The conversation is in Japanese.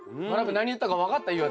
まなぶ何言ったか分かった？